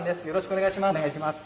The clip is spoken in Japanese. よろしくお願いします。